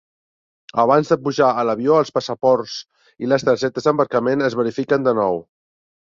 Abans de pujar a l'avió, els passaports i les targetes d'embarcament es verifiquen de nou.